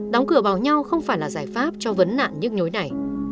đóng cửa bảo nhau không phải là giải pháp cho vấn nạn những nhối này